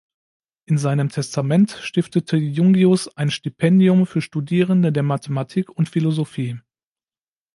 In seinem Testament stiftete Jungius ein Stipendium für Studierende der Mathematik und Philosophie.